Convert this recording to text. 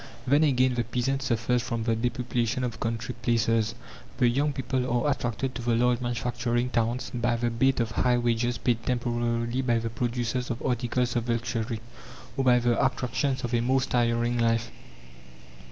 Then again the peasant suffers from the depopulation of country places: the young people are attracted to the large manufacturing towns by the bait of high wages paid temporarily by the producers of articles of luxury, or by the attractions of a more stirring life.